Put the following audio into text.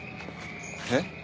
えっ？